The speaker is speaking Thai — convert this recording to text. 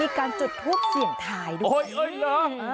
มีการจุดทูบเสียงทายดูกัน